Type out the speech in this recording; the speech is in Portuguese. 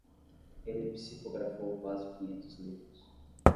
Ele psicografou quase quinhentos livros.